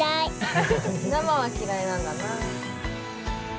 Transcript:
生はきらいなんだな。